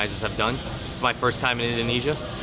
ini adalah pertama kali saya berada di indonesia